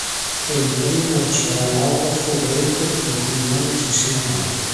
È il primo ceramografo greco il cui nome ci sia noto.